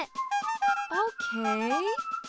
オッケー。